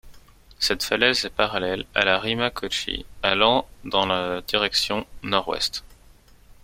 Cette falaise est parallèle à la Rima Cauchy allant dans la direction nord-ouest.